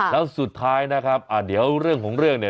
แล้วสุดท้ายนะครับเดี๋ยวเรื่องของเรื่องเนี่ย